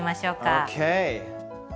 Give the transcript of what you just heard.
ＯＫ！